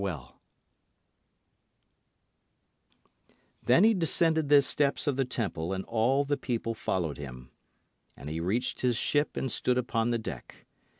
Then he descended the steps of the Temple and all the people followed him. And he reached his ship and stood upon the deck.